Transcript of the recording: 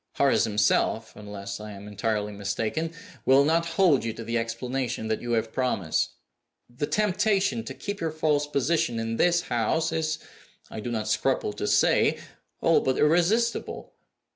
Horace himself (unless I am entirely mistaken) will not hold you to the explanation that you have promised. The temptation to keep your false position in this house is, I do not scruple to say, all but irresistible.